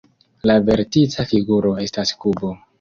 La vertica figuro estas kubo.